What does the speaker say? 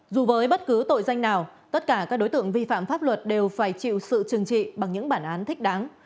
dù với bất cứ tội danh nào tất cả các đối tượng vi phạm pháp luật đều phải chịu sự trừng trị bằng những bản án thích đáng